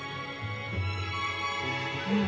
うん。